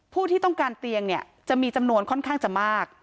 ที่ต้องการเตียงเนี่ยจะมีจำนวนค่อนข้างจะมาก